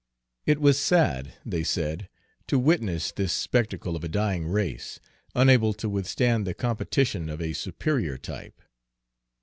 It was sad, they said, to witness this spectacle of a dying race, unable to withstand the competition of a superior type.